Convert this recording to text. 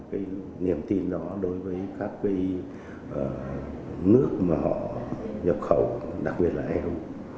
cái niềm tin đó đối với các cái nước mà họ nhập khẩu đặc biệt là eu